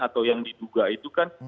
atau yang diduga itu kan